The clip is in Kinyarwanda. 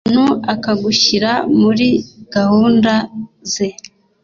umuntu akagushyira muri gahunda ze